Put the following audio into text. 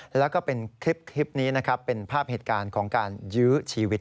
และะเป็นคลิปนี้นะครับเป็นภาพเหตุงานชีวิต